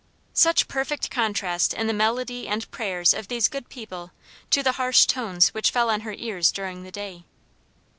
Such perfect contrast in the melody and prayers of these good people to the harsh tones which fell on her ears during the day.